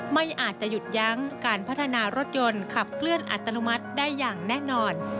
ไม่อาจจะหยุดยั้งการพัฒนารถยนต์ขับเคลื่อนอัตโนมัติได้อย่างแน่นอน